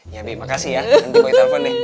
ya bi makasih ya nanti gue telepon nih